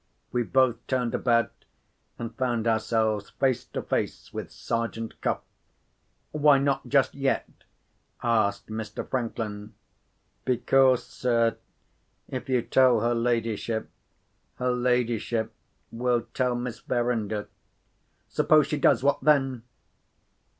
We both turned about, and found ourselves face to face with Sergeant Cuff. "Why not just yet?" asked Mr. Franklin. "Because, sir, if you tell her ladyship, her ladyship will tell Miss Verinder." "Suppose she does. What then?"